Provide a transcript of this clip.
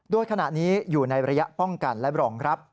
โดยขณะนี้อยู่ในระยะป้องกันและรองรับ